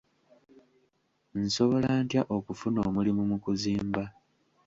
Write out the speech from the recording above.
Nsobola ntya okufuna omulimu mu kuzimba?